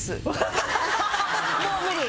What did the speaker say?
もう無理？